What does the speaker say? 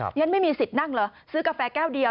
ฉันไม่มีสิทธิ์นั่งเหรอซื้อกาแฟแก้วเดียว